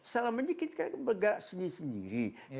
salah sedikit kan bergerak sendiri sendiri